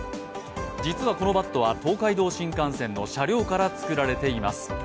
実はこのバットは東海道新幹線の車両から作られています。